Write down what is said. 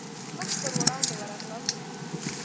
مخ پر وړاندې ورغلم.